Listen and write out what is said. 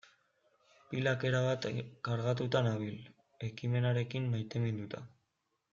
Pilak erabat kargatuta nabil, ekimenarekin maiteminduta.